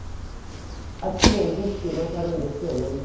あっちで儀式なさるんですよね？